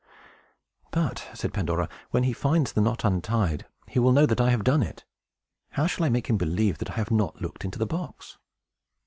"But," said Pandora, "when he finds the knot untied, he will know that I have done it. How shall I make him believe that I have not looked into the box?"